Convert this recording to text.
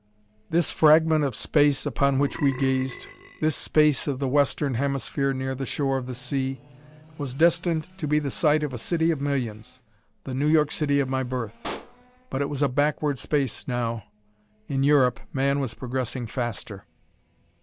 This fragment of space upon which we gazed this space of the Western Hemisphere near the shore of the sea was destined to be the site of a city of millions the New York City of my birth. But it was a backward space, now. In Europe, man was progressing faster....